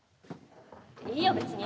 いいよ別に。